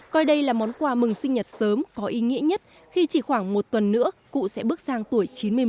coi đây là món quà mừng sinh nhật sớm có ý nghĩa nhất khi chỉ khoảng một tuần nữa cụ sẽ bước sang tuổi chín mươi một